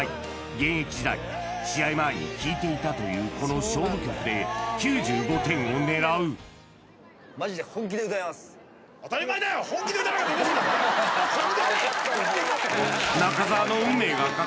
現役時代試合前に聴いていたというこの勝負曲で９５点を狙う本気でやれ！